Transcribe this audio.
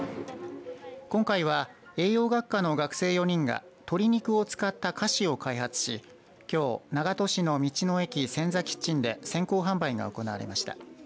今回は栄養学科の学生４人が鶏肉を使った菓子を開発しきょう、長門市の道の駅センザキッチンで先行販売が行われました。